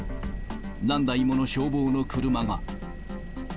何台もの消防の車が。